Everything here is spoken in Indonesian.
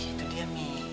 itu dia mi